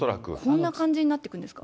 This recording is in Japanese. こんな感じになってくるんですか？